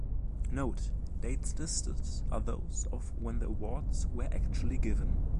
Note: Dates listed are those of when the awards were actually given.